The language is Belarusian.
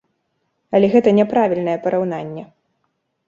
Але гэта няправільнае параўнанне.